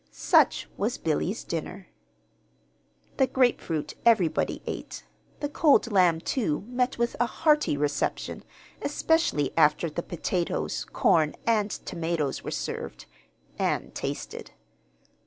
Such was Billy's dinner. The grapefruit everybody ate. The cold lamb too, met with a hearty reception, especially after the potatoes, corn, and tomatoes were served and tasted.